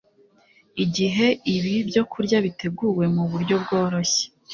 Igihe ibi byokurya biteguwe mu buryo bworoshye